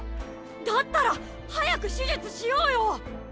だったら早く手術しようよ。